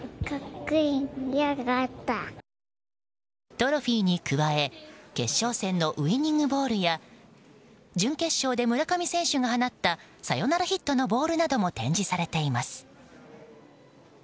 トロフィーに加え決勝戦のウィニングボールや準決勝で村上選手が放ったサヨナラヒットのボールなども展示されています。